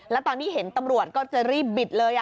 แล้วตอนที่เห็นตำรวจก็จะรีบบิดเลย